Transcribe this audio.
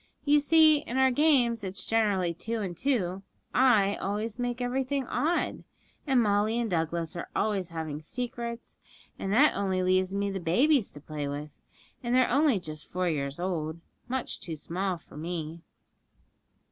You see, in our games it's generally two and two; I always make everything odd, and Molly and Douglas are always having secrets, and that only leaves me the babies to play with, and they're only just four years old much too small for me.'